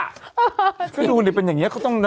ที่ดูเนี่ยเป็นแหงงเนี่ยเขาต้องนะ